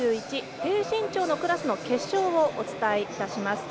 低身長のクラスの決勝をお伝えします。